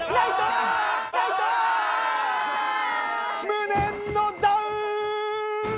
無念のダウン！